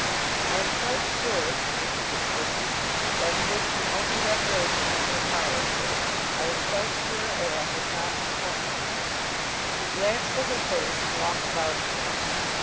'I am quite sure,' repeated Sissy, 'that it is the only reparation in your power, sir. I am quite sure, or I would not have come here.' He glanced at her face, and walked about again.